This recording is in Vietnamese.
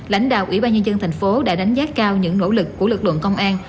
lãnh đạo ủy ban nhân dân thành phố đã đánh giá cao những nỗ lực của lực lượng công an